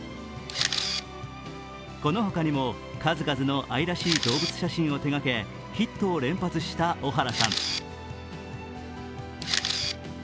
このほかにも、数々の愛らしい動物写真を手がけヒットを連発した小原さん。